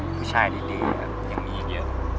ผู้ชายดีอย่างนี้เดียว